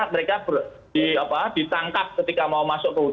mereka ditangkap ketika mau masuk ke hutan